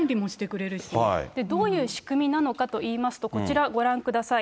どういう仕組みなのかといいますと、ご覧ください。